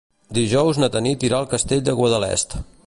Dijous na Tanit irà al Castell de Guadalest.